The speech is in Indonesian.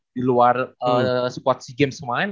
di luar spot si game semalain